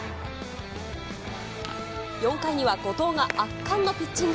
４回には後藤が圧巻のピッチング。